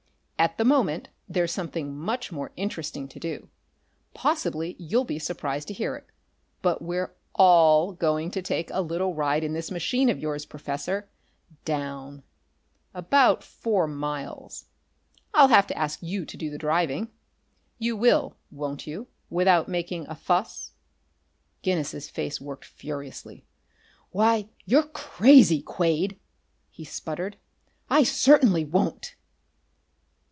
At the moment there's something much more interesting to do. Possibly you'll be surprised to hear it, but we're all going to take a little ride in this machine of yours, Professor. Down. About four miles. I'll have to ask you to do the driving. You will, won't you without making a fuss?" Guinness's face worked furiously. "Why, you're crazy, Quade!" he sputtered. "I certainly won't!"